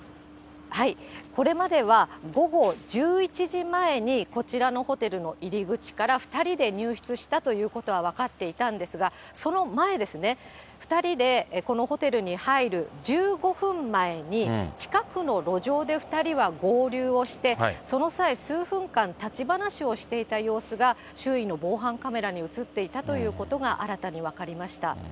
これまでは、午後１１時前に、こちらのホテルの入り口から２人で入室したということは分かっていたんですが、その前ですね、２人でこのホテルに入る１５分前に、近くの路上で２人は合流をして、その際、数分間、立ち話をしていた様子が、周囲の防犯カメラに写っていたということが、新たに分かりました。